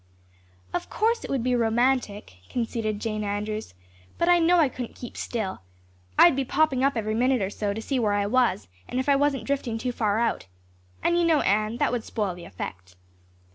"Of course it would be romantic," conceded Jane Andrews, "but I know I couldn't keep still. I'd be popping up every minute or so to see where I was and if I wasn't drifting too far out. And you know, Anne, that would spoil the effect."